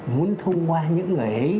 muốn thông qua những người ấy